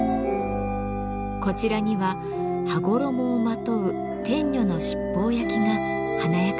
こちらには羽衣をまとう天女の七宝焼きが華やかさを添えます。